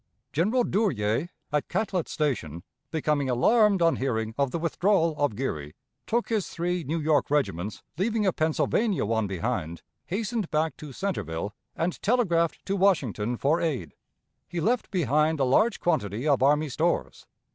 General Duryea, at Catlett's Station, becoming alarmed on hearing of the withdrawal of Geary, took his three New York regiments, leaving a Pennsylvania one behind, hastened back to Centreville, and telegraphed to Washington for aid. He left behind a large quantity of army stores.